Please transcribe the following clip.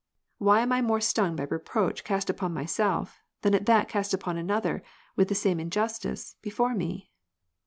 Why am I more stung by reproach cast upon myself, than at that cast upon another, with the same injustice, before me